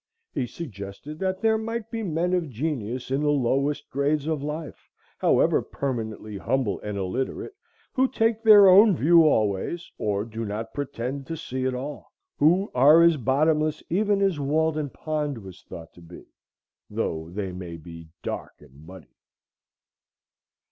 He suggested that there might be men of genius in the lowest grades of life, however permanently humble and illiterate, who take their own view always, or do not pretend to see at all; who are as bottomless even as Walden Pond was thought to be, though they may be dark and muddy.